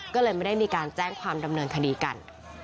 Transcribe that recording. ก็เลยไม่ได้มีการแจ้งความดำเนินคดีกัน